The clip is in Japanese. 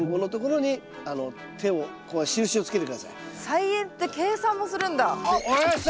菜園って計算もするんだ。